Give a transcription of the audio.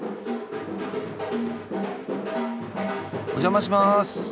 お邪魔します。